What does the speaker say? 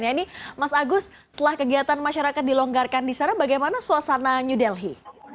ini mas agus setelah kegiatan masyarakat dilonggarkan di sana bagaimana suasana new delhi